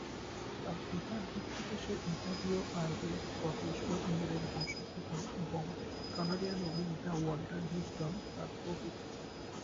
তার পিতার দিক থেকে সে ইতালীয়, আইরিশ, স্কটিশ, ও ইংরেজ বংশদ্ভূত এবং কানাডিয়ান অভিনেতা ওয়াল্টার হিউস্টন তার প্র-পিতা।